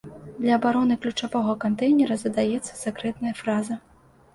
Для абароны ключавога кантэйнера задаецца сакрэтная фраза.